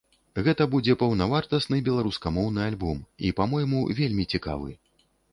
Гэта будзе паўнавартасны беларускамоўны альбом і, па-мойму, вельмі цікавы.